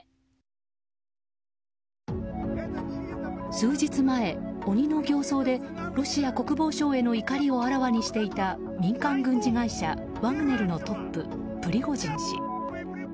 数日前、鬼の形相でロシア国防省への怒りをあらわにしていた民間軍事会社ワグネルのトッププリゴジン氏。